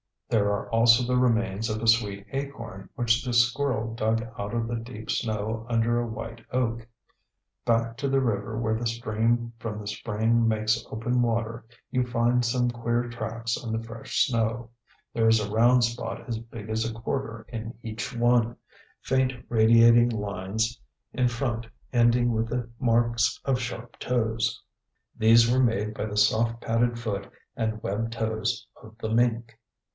There are also the remains of a sweet acorn which the squirrel dug out of the deep snow under a white oak. Back to the river where the stream from the spring makes open water you find some queer tracks on the fresh snow; there is a round spot as big as a quarter in each one, faint radiating lines in front ending with the marks of sharp toes; these were made by the soft padded foot and webbed toes of the mink.